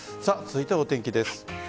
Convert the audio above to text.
続いてはお天気です。